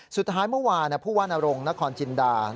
สุดท้ายเมื่อวานผู้ว่านรงนครจินดา